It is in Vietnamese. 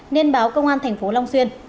nên báo công an thành phố long xuyên